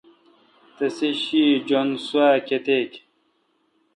تسےشی جّن سوا کیتک۔